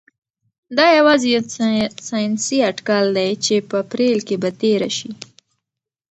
دا یوازې یو ساینسي اټکل دی چې په اپریل کې به تیره شي.